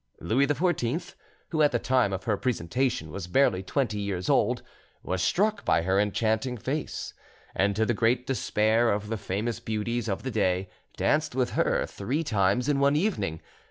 Louis XIV, who at the time of her presentation was barely twenty years old, was struck by her enchanting face, and to the great despair of the famous beauties of the day danced with her three times in one evening.